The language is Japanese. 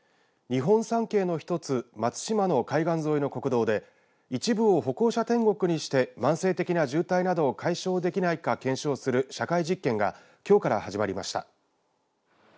日本三景の１つ松島の海岸沿いの国道で一部を歩行者天国にして慢性的な渋滞などを解消できないか検証する社会実験がきょうから始まりました。